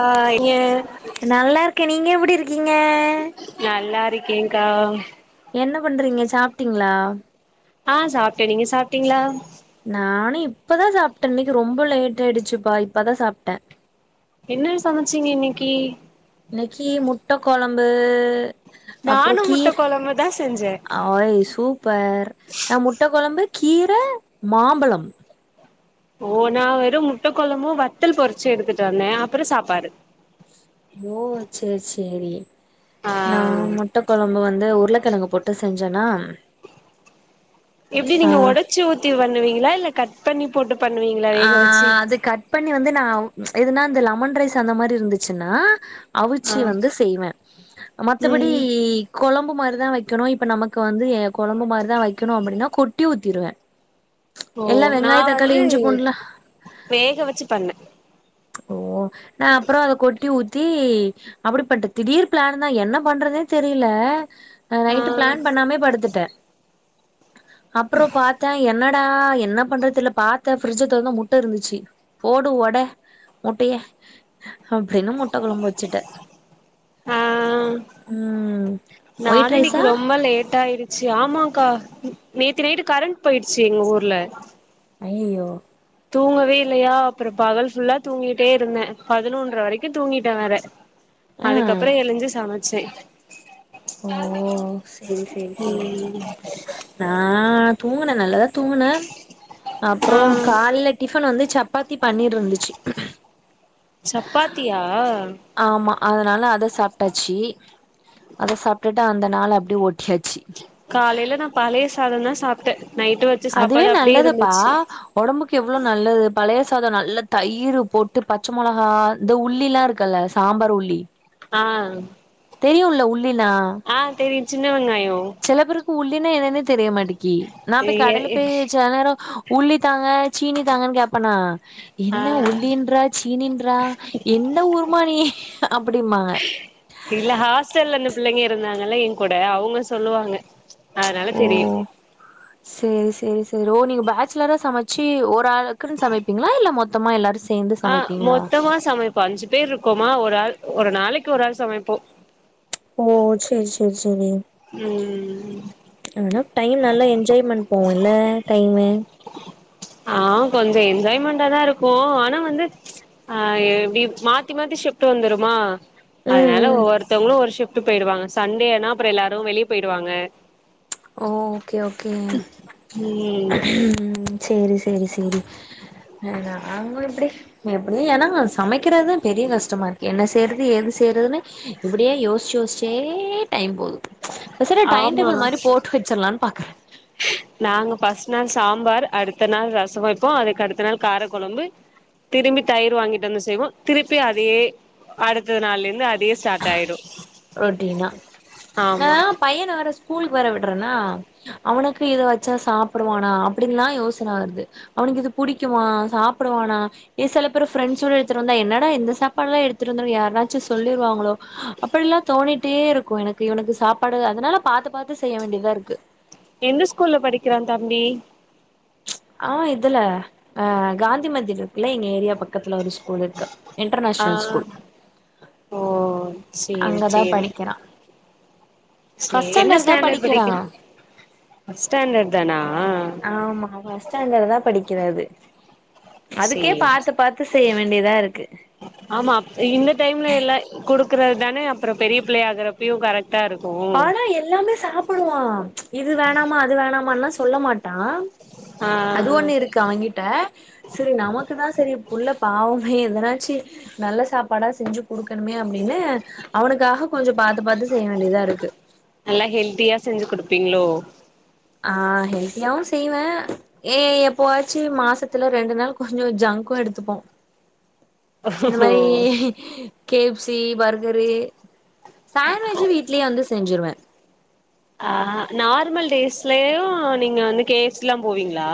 ஆ ஏ நல்லா இருக்கேன். நீங்க எப்டி இருக்கீங்க. நல்லா இருக்கேக்கா என்ன பண்றீங்க சாப்ட்டீங்களா ஆ சாப்ட்டேன் நீங்க சாப்ட்டீங்களா நானும் இப்பதான் சாப்ட்டேன் இன்னைக்கு ரொம்ப லேட் ஆயிடுச்சுப்பா இப்பதான் சாப்ட்டேன் என்னன்ன சமச்சீங்க இன்னைக்கு இன்னைக்கு முட்டை கொழம்பு அப்றம் நானு முட்ட கீர கொழம்பு தா செஞ்சே அ ஐ சூப்பர் நான் முட்டை கொழம்பு கீரை மாம்பழம் ஓ நான் வெறும் முட்டகொழம்பும் வத்தல் பொறிச்சு எடுத்துட்டு வந்தேன் அப்றம் சாப்பாடு ஓ சேரி சேரி ஆ நான் முட்ட கொழம்பு வந்து உருளைக்கெழங்கு பொறு ப செஞ்சேனா எப்டி நீங்க ஆ உடைச்சு ஊத்தி பண்ணுவீங்களா இல்ல கட் பண்ணி போட்டு பண்ணுவீங்களா வேக வச்சு ப்பண்ணி வந்து நான் எதுனா அந்த லெமன் ரைஸ் அந்த மாரி இருந்துச்சுன்னா அவிச்சி ஆ வந்து செய்வேன் மத்தபடி ம் கொழம்பு மாரிதான் வைக்கணும் இப்ப நமக்கு வந்து கொழம்பு மாரிதான் வைக்கணும் அப்டின்னா கொட்டி ஊத்திடுவேன் ஓ எல்லா நா வெங்காயோ தக்காளி வந்து இஞ்சி பூண்டுலா வேக வெச்சு பண்ணு ஓ நா அப்றோ அத கொட்டி ஊத்தி அப்டிபன்ட்ட திடீர் பிளான்தா என்ன பண்றதுனே தெரில நைட்டு பிளான் பண்ணாமே படுத்துட்ட அப்றோ பா த்தா என்னடா என்ன பண்றது தெரில பாத்த ஃப்ரிட்ஜ் தொறந்து முட்ட இருந்துச்சு போடு ஒட முட்டய அப்டின்னு முட்ட கொழம்பு வெச்சுட்ட ஆ ஆ ம் ஒயிட் நானு இன்னைக்கு ரைஸா ரொம்ப லேட் ஆயிடு சி ஆமாங்க்கா நேத்தி நைட்டு கரண்ட் போயிடுச்சு எங்க ஊர்ல அய்யய்யோ தூங்கவே இல்லையா அப்றோ பகல் ஃபுல்லா தூங்கிட்டே இருந்தேன் பதினொன்ற வரைக்கு தூங்கிட்டன் வேற ஆ அதுக்கப்றோ எழுந்து சமைச்சேன் ஓ செரி செரி செரி ம் நா தூங்குன நல்லதா தூங்குன ஆ அப்றோ காலைல டிஃபன் வந்து ச ப்பாதி பன்னீர் இருந்துச்சு சப்பாத்தியா ஆமா அதனால அத சாப்ட்டாச்சு அத சாப்ட்டுட்டு அந்த நாள அப்டி ஒட்டியாச்சு காலைல நா பழைய சாதோந்தான் சாப்ட்ட நைட்டு வெச்ச அதுவே சாப்பாடு அப்டியே நல்லதுப்பா இருந்துச்சு ஒடம்புக்கு எவ்ளோ நல்லது பழைய சாதோ நல்லா தயிர் போட்டு பச்ச மொளகா இந்த உள்ளில்லா இருக்கல்ல சாம்பார் உள்ளி ஆ தெரியுல உள்ளெல்லா ஆ தெரியு சின்ன வெங்காயோ சில பேருக்கு உள்ளினா என்னனே தெரிய மாட்டிக்கி நா போய் கடலை போய் செல நேரோ உள்ளி தாங்க சீனி தாங்கன்னு கேப்பனா என்ன ஆ உள்ளின்றா சீனின்றா என்ன ஊருமா நீ அப்டிம்பாங்க இதுல ஹாஸ்டல்ல இந்த பிள்ளைங்க இருந்தாங்கல்ல என் கூட அவுங்க சொல்லுவாங்க அதனால ஓ தெரியு சேரி சேரி சேரி ஓ நீங்க பேச்சலரா சமைச்சு ஒரு ஆள் டக்குனு சமைப்பீங்ளா இல்ல மொத்தமா எல்லாரு சேந்து ஆ சமைப்பீங்களா மொத்தமா சமைப்போ அஞ்சு பேர் இருக்கோமா ஒரு ஆள் ஒரு நாளைக்கு ஒரு ஆள் சமைப்போ ஓ சேரி சேரி சேரி ம் ஆனா டைம் நல்லா என்ஜாய்மெண்ட் போவுல்ல டைமு ஆ கொஞ்சோ என்ஜாய்மெண்டாதா இருக்கு ஆனா வந்து ஆ எப்டி மாத்தி மாத்தி ஷிப்ட்டு வந்துருமா ம் அதனால ம் ஒவ்வொருத்தவங்களு ஒரு ஷிஃப்ட் போயிடுவாங்க சண்டேனா அப்றோ எல்லாரு வெளிய போயிடுவாங்க ஓ ஓகே ஓகே ம் ம் சேரி சேரி சேரி ஆ அவுங்க எப்டி? எப்டி ஏனா சமைக்கிறதுதா பெரிய கஷ்டமா இருக்கு என்ன செய்யறது எது செய்யறதுன்னு இப்டியே யோசிச்சு யோசிச்சே டைம் போகுது பேசறா டைம் ஆமா டேபிள் மாரி போட்டு வெச்சிர்லானு பாக்குற நாங்க ஃபர்ஸ்ட் நாள் சாம்பார் அடுத்த நாள் ரசோ வெப்போ அதுக்கு அடுத்த நாள் கார கொழம்பு திரும்பி தயிர் வாங்கிட்டு வந்து செய்வோ திருப்பி அதே அடுத்த நாள்ளிந்து அதே ஸ்டார்ட் ஆயிடு ரொட்டீனா நா ஆமா பையன வேற ஸ்கூலுக்கு வர விட்றன்னா அவனுக்கு இத வெச்சா சாப்புடுவானா அப்பிடின்னுல்லா யோசன வருது அவனுக்கு இது புடிக்குமா சாப்புடுவானா ஏ சில பேரு ஃப்ரெண்ஸ்ரொல் எடுத்துட்டு வந்தா என்னடா இந்த சாப்பா எல்லா எடுத்துட்டு வந்தனு யாராச்சு சொல்லி ர்வாங்களோ அப்பெல்லா தோணிட்டே இருக்கு எனக்கு இவனுக்கு சாப்பாடு அதுனால பாத்து பாத்து செய்ய வேண்டிதா இருக்கு எந்த ஸ்கூல்ல படிக்கிறான் தம்பி ஆ இதுல அ காந்தி மந்திர் இருக்குல்ல எங்க ஏரியா பக்கத்துல ஒரு ஸ் கூல் இருக்கு ஆ இன்டர்நேஷ்னல் ஸ்கூல் ஓ சேரி அங்கதா படிக்கெறான் சேன்னு ஸ்டாண்டர்ட் படிக்க ஃபஸ் ஸ்டாண்டர்ட் தானா ஃபஸ் ஸ்டாண்டர்ட் தா படிக்கறது அதுக்கே சேரி பாத்து பாத்து செய்ய வேண்டியதா இருக்கு ஆமா அப் இந்த டைம்ல எல்லா குடுக்குறது தானே அப்பறொப் பெரிய புள்ளை ஆகறப்பையு கர ட்டா இருக்கு ஆனா எல்லாமே சாப்புடுவான் இது வேணாமா அது வேணாமான்ல்லா சொல்ல மா டான்‌ ஆ அது ஒண்ணு இருக்கு அவங்கிட்ட செரி நமக்கு தா செரி புள்ள பாவமே எதனாச்சு நல்ல சாப்பாடா செஞ்சு குடுக்கெணுமே அப்டின்னு அவனுக்காக கொஞ்சொ பாத்து பாத்து செய்ய வேண்டியதா இருக் நல்லா ஹெல்த்தியா செஞ்சு குடுப்பீங்களோ ஆ ஹெல்த்தியாவு செய்வே ஏ எப்போவாச்சு மாசத்துல ரெண்டு நாள் கொஞ்சொ ஜங்க்கு எடுத்துப்போ இந்த ஓஹோ மாரி K F C burger sandwich வீட்லயே வந்து செஞ்சுருவே ஆ நார்மல் டேஸ்லயு நீங்க வந்து கே யஃப் சி எலா போவீங்களா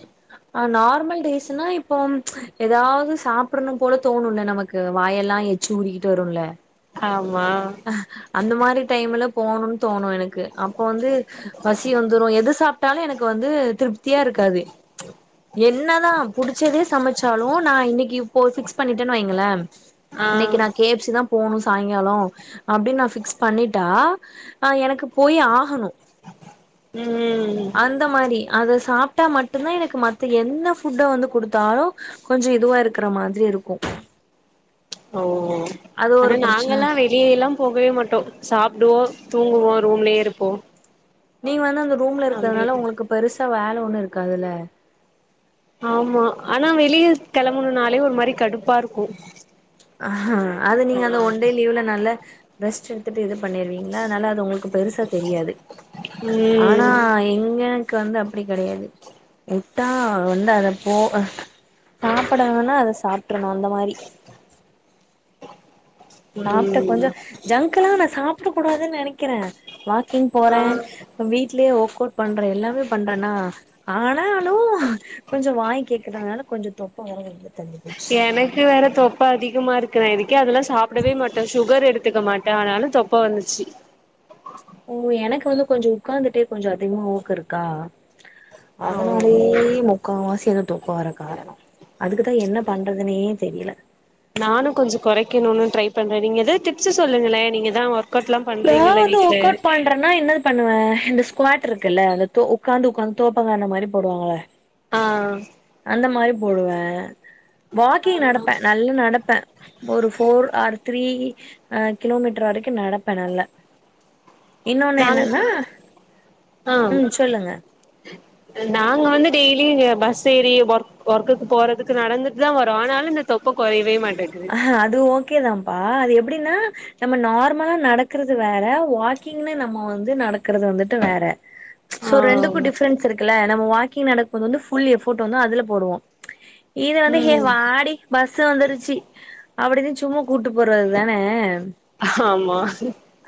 ஜிப்னா ஆ நார்மல் டேஸ்ன்னா இப்போ எதாவ்து சாப்படணும்போல தோணுல நமக்கு வாயெல்லா எ ச்சி ஊறிக்கிட்டு வருல்ல ஆமா அந்த மாரி டைம்ல போணுனு தோணு எனக்கு அப்ப வந்து பசி வந்துரு எது சாப் ட்டாலு எனக்கு வந்து த்ருப்தியா இருக்காது என்னதா புடுச்சதே சமச்சாலு நா இன்னெக்கி இப்போ ஃபிக்ஸ் பண்ணிட்டேன்னு வைங்களே ஆ இன்னெக்கி நா கே யஃப் சி தா போணு சாய்ங்காலோ அப்டின் நா ஃப்க்ஸ் பண்ணிட்டா ஆ எனக்கு போயி ஆகணு ம் அந்த மாரி அத சாப்ட்டா மட்டு்ந்தா எனக்கு மத்த என்ன ஃபுட்ட வந்து குடுத்தாலு கொஞ்சொ இதுவா இருக்குற மாதிரி இருக்கு ஓ அது ஒரு ஆனா பிரச்சன நாங்கெல்லா வீ வெளியே எல்லாம் போகவே மாட்டோ சாப்டுவோ தூங்குவோ ரூம்லெயே இருப்போ நீங்க வந்து அந்த ரூம்ல அப்டி இருக்கறனால உங்களுக்கு பெருசா வேல ஒண்ணு இருக்காதில்ல ஆமா ஆனா வெளிய கெளம்பனுன்னாளே ஒரு மாரி கடுப்பா இருக்கு ஆ ஆ அது நீங்க அந்த வன்டே லீவ்ல நல்ல ரெஸ்ட் எடுத்துட்டு இது பண்ணிருவீங்ல்ல அதனால அது உங்களுக்கு பெருசா தெரியாது ஆனா ம் எங்கக்கு வந்து அப்டி கெடையாது உட்டா வந்து அத போ அ சாப்பட வேணா அத சாப்ட்டறனு அந்த மாரி சாப்ட ம் கொஞ்சோ ஜங்க்கு எல்லா நா சாப்ட கூடாதுன்னு நெனைக்கிறே வாக்கிங் ஆ போறே வீட்லயே ஒர்க் அவுட் பண்றே எல்லாமே பண்றேனா ஆ னானாலு கொஞ்சோ வாய் கேக்குதுனால கொஞ்சோ தொப்ப வர தெரிஞ்சு போச்சு எனக்கு வேற தொப்ப அதிகமா இருக்கு நா இதுக்கே அதெல்லா சாப்டவே மாட்டே சுகர் எடுத்துக்க மாட்டே ஆனாலு தொப் ப வந்துச்சு ஓ எனக்கு வந்து கொஞ்சோ ஒக்காந்துட்டே கொஞ்சோ அதிகமா ஒர்க் இருக்கா ஓ அதனாலயே மு க்காவாசி அதுவு தொப்ப வர காரணோ அதுக்கு தா என்ன பண்றதுனே தெரில நானு கொஞ்சோ கொறைக்கணுன்னு ட்ரை பண்றே நீங்க எதா டிப்ஸ்ஸு சொல்லுங்களே நீங்க தா வொர் நா வந்து வொர்க்கவுட் பண் றனா என்னது பண்ணுவே இந்த ஸ்குவாட் இருக்குல்ல அந்த தொ உக்காந்து உக்காந்து தோப்பங்கறன மாரி போடுவாங்கள ஆ அந்த மாரி போடுவே ஆ வாக்கிங் நடப்பே நல்லா நடப்பே ஒரு ஃபோர் ஆர் த்ரீ அ கிலோமீட்டர் வரைக்கு நடப்பே நல்ல இன்னொன்னு நாங் என்னன்னா ஆ ம் சொல்லுங்க நாங்க வந்து டெய்லி பஸ் ஏறி ஒர்க் ஒர்க்குக்கு போறதுக்கு நடந்துட்டு தா வரோ ஆனாலு இந்த தொப்ப கொறையவே மாட்டேங்குது அது ஓகே தாப்பா அது எப்டின்னா நம்ம நார்மலா நடக்கறது வேற வாக்கிங்ன்னு நம்ம வந்து நடக்கறது வந்துட்டு வேற ஆ சோ ரெண்டுக்கு டிஃபரென்ஸ் இருக்குல்ல நம்ம வாக்கிங் நடக்குபோது வந்து ஃபுல் எஃபர்ட் வந்து அதுல போடுவோ இது வந்து ஹே ம் வாடி பஸ்சு வந்துருச்சு அப்டின்னு சும்மா கூட்டு போறது தான ஹாமா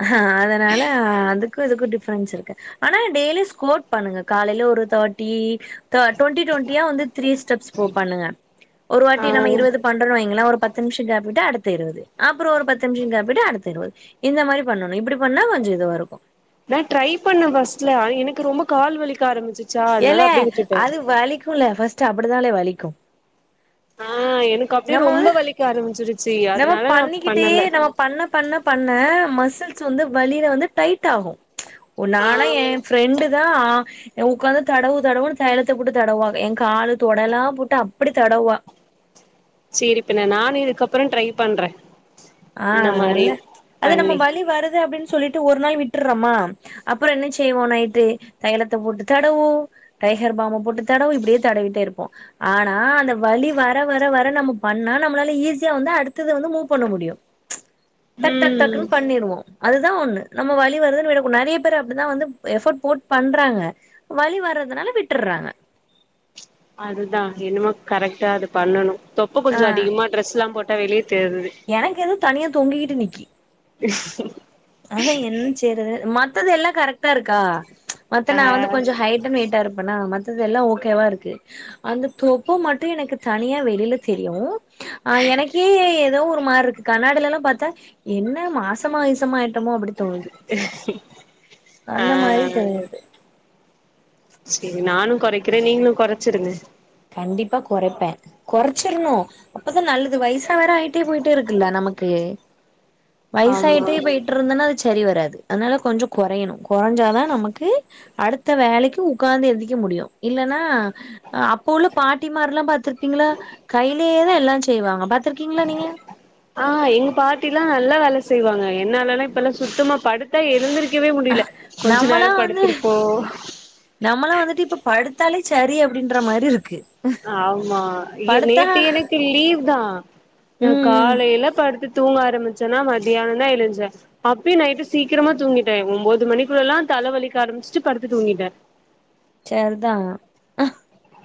ஹ அதனால அதுக்கு இதுக்கு டிஃப்ரென்ஸ் இருக்கு ஆனா டெய்லியு ஸ்கோட் பண்ணுங்க காலேல ஒரு தேர்ட்டி த டுவெண்டி டுவெண்டியா வந்து த்ரீ ஸ்டெப்ஸ் ஃபோ பண்ணுங்க ஒரு ஆ வாட்டி நம்ம இருபது பண்றோ வைய்ங்களே ஒரு பத் து நிமிஷோ கேப் விட்டு அடுத்த இருவது அப்பறோ ஒரு பத்து நிமிஷோ கேப் விட்டு அடுத்த இருவது இந்த மாரி பண்ணனு இப்டி பண்ணா கொஞ்சோ இதுவரு நா ட்ரை பண்ணே ஃபஸ்ட்டுல ஆனா எனக்கு ரொம்ப கால் வலிக்க ஆரம்பிச் ஏலே அது வலிக்குல ஃபஸ்ட்டு அப்டி தாலே வலிக்கு ஆ எனக்கு அப்டியே நம்ம வந்து ரொம்ப வலிக்க ஆரம்பிச்சிருச்சி நம்ம அதனால நா பண்ணிக்கிட்டே பண்ணல நம்ம பண்ண பண்ண பண்ண மசில்ஸ் வந்து வலில வந்து டைட் ஆகு ஆ உன்னால என் ஃப்ரெண்டு தா ஏ உக்காந்து தடவு தடவுன்னு தைலத்த போட்டு தடவுவாக எ கால் தொட எல்லா போட்டு அப்டி தடவுவா செரி இப்ப நானு இதுக்கப்பறோ ட்ரை பண்றே ஆ இந்த மாரி நல்ல அது நம்ம பண்ணி வலி வருது அப்டின்னு சொல்லிட்டு ஒரு நாள் விட்றோமா அப்பறோ என்ன செய்வோ நைட்டு தையலத்த போட்டு தடவோ டைகர் பாம்ப போட்டு தடவு இப்டியே தடவிட்டே இருப்போ ஆனா அந்த வலி வர வர வர நம்ம பண்ணா நம்மளால ஈஸியா வந்து அடுத்தது வந்து மூவ் பண்ண முடியு டக் டக் ம் டக்குன்னு பண்ணிருவோ அது தா ஒண்ணு நம்ம வலி வருதுன்னு விட கூட நெறைய பேரு அப்டி தா வந்து எஃபர்ட் போட்டு பண்றாங்க வலி வர்றதுனால விட்டறாங்க அது தா என்னமோ கரெக்ட்டா அது பண்ணனு தொப்ப ஆ கொஞ்சோ அதிகமா ட்ரெஸ் எல்லா போட்டா வெளியே தெரிது எனக்கு எதுவு தனியா தொங்கிக்கிட்டு நிக்கி அதான் என்ன செய்றது மத்தது எல்லாம் கரெக்ட்டா இருக்கா மத்த நா ஆ வந்து கொஞ்சம் ஹைட்டன் வெயிட்டா இருப்பனா எல்லாம் ஓகேவா இருக்கு அந்த தொப்பு மட்டும் எனக்கு தனியா வெளில தெரியு ஆ எனக்கே எதோ ஒரு மாரி இருக்கு கண்ணாடில எல்லாம் பார்த்தா என்ன மாசமா கிசமா சும்மா அப்பிடி தோணுது ஆ அந்த மாரி தெ செரி நானும் கொறைக்கிறேன் நீங்களும் கொறச்சிருங்க கண்டிப்பா கொறைப்பேன் கொறச்சிடணும் அப்பதான் நல்லது வய்சா வேற ஆய்ட்டே போயிட்டே இருக்குல்ல நமக்கு ஆமா வய்சாயிட்டே போயிட்டு இருந்தன்னா அது சரி வராது அதனால கொஞ்சம் கொறையணும் கொறஞ்சாதான் நமக்கு அடுத்த வேலைக்கு உக்காந்து எந்திருக்க முடியும் இல்லன்னா குலு பாட்டி மார் எல்லாம் பாத்துருப்பீங்கள்ல கைய்லேயேதான் எல்லாம் செய்வாங்க பாத்திருக்கீங்களா நீங்க ஆ எங்க பாட்டி எல்லாம் நல்லா வேல செய்வாங்க என்னாலல்லா இப்பல்லாம் சுத்தமா படு த்தா எழுந்திருக்கவே முடியல கொஞ்ச நம்மளா நேரம் வந்து படுத்திருப்போ நம்மளா வந்துட்டு இப்ப படுத்தாலே சரி அப்டின்ற மாதிரி இருக்கு ஆமா படுத்தா நேத்து எனக்கு லீவ் தான் நான் ம் ம் காலையில படுத்து தூங்க ஆரம்பிச்சன்னா மத்தியானம் தான் எழுஞ்சன் அப்பியும் நைட்டு சீக்கிரமா தூங்கிட்டேன் ஒம்போது மணிக்குள்ளல்லா தல வலிக்க ஆரம்பிச்சிட்டு படுத்து தூங்கிட்டேன் செர்தான்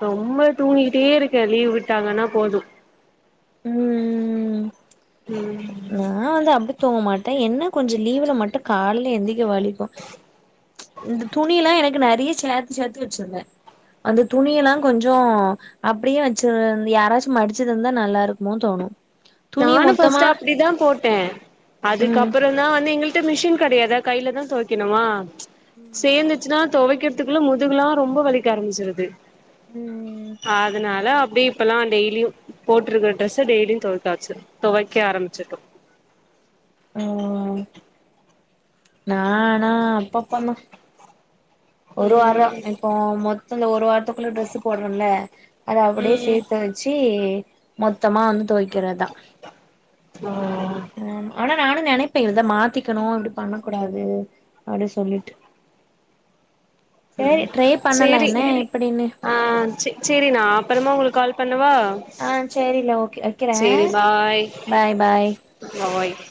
ரொம்ப தூங்கிட்டே இருக்கேன் லீவ் விட்டாங்கன்னா போதும் ம் ம் நா வந்து அப்படி தூங்க மாட்டே என்ன கொஞ்சம் லீவுல மட்டும் காலைல எந்திரிக்க வலிக்கும் இந்த துணி எல்லாம் எனக்கு நெறைய சேத்து சேத்து வெச்சுறே அந்த துணியல்லாம் கொஞ்சம் அப்டியே வெச்சு நீ யாராச்சும் மடிச்சு தந்தா நல்லா இருக் மோ தோணு துணிய நானும் மொத்தமா ஃபர்ஸ்ட் அப்டி தான் போட்டேன் ம் அதுக்கப்பற தா நான் வந்து எங்களிட்ட மிஷின் கெடையாதா கைய்ல தான் தொய்க்கணுமா சேந்துச்சுன்னா தொவைக்கிறதுக்குள்ள முதுகுல்லாம் ரொம்ப வலிக்க ஆரம்பிச்சிருது ம் அதனால அப்டி இப்பல்லாம் டெய்லியும் போட்டுட்டுருக்கற ட்ரெஸ டெய்லியும் தொவச்சாச்சு தொவைக்க ஆரம்பிச்சிடோம் ம் நா ஆனா அப்ப பண்ணோ ஒரு வாரம் ம் இப்போ மொத்தல ஒரு வாரத்துக்குள்ள ட்ரெஸ் போடுறம்ல அத அப்டியே சே ம் த்து வெச்சி மொத்தமா வந்து தொவக்கிறதுதான் ஹம் ஆனா நானும் நெனைப்பேன் இததா மாத்திக்கணும் அப்டி பண்ணக்கூடாது அப்டின்னு சொல்லிட்டு செரி ட்ரை பண்ணலாம் என்ன எப்டின்னு செ செரி நான் அப்பறமா உங்குளுக்கு கால் பண்ணவா ஆ செரில ஓகே சேரி வெக்கிறேன் பாய் பாய் பாய் [inaudible]